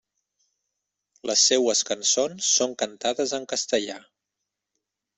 Les seues cançons són cantades en castellà.